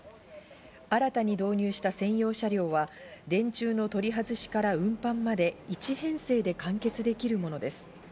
新たに導入した専用車両は電柱の取り外しから運搬まで１編成で完結できるものです。